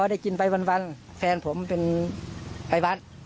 ได้กินไปวันแฟนผมเป็นไปวัด